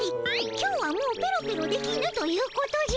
今日はもうペロペロできぬということじゃ。